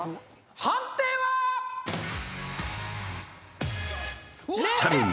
判定はチャレンジ